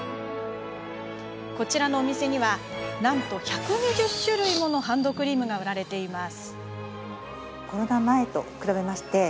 こちらのお店にはなんと１２０種類ものハンドクリームが売られています。